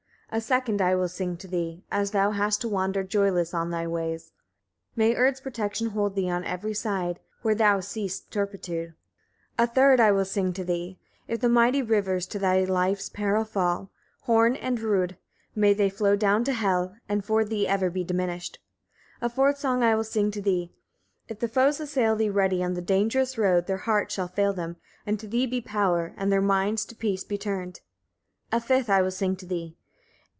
7. A second I will sing to thee, as thou hast to wander joyless on thy ways. May Urd's protection hold thee on every side, where thou seest turpitude. 8. A third I will sing to thee. If the mighty rivers to thy life's peril fall, Horn and Rud, may they flow down to Hel, and for thee ever be diminished. 9. A fourth I will sing to thee. If foes assail thee ready on the dangerous road, their hearts shall fail them, and to thee be power, and their minds to peace be turned. 10. A fifth I will sing to thee.